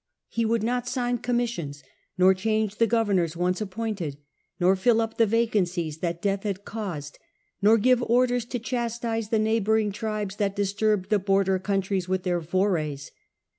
He would not sign somequalifi commissions, nor change the governors once appointed, nor fillup the vacancies that death had caused, nor give orders to chastise the neighbouring tribes that disturbed the border countries with their forays.